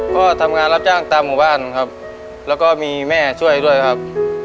ก็ทำงานรับจ้างตามหมู่บ้านครับแล้วก็มีแม่ช่วยด้วยครับ